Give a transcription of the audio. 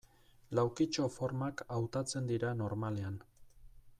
Laukitxo formak hautatzen dira normalean.